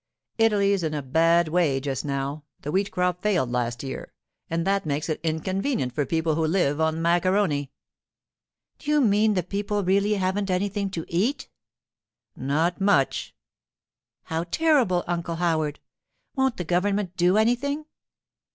Italy's in a bad way just now; the wheat crop failed last year, and that makes it inconvenient for people who live on macaroni.' 'Do you mean the people really haven't anything to eat?' 'Not much.' 'How terrible, Uncle Howard! Won't the government do anything?